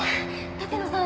立野さん